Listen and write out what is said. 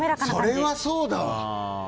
それはそうだ！